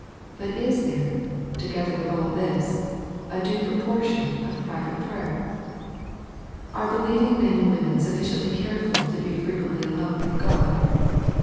But is there, together with aU this, a due proportion of private prayer ? Are believing men and women sufficiently careful to be frequently alone with God?